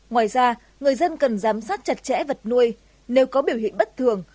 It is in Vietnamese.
ngoài ra người dân cần giám sát chặt chẽ vật nuôi nếu có biểu hiện bất thường